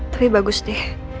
tapi bagus deh